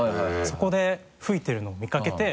そこで吹いてるのを見かけて。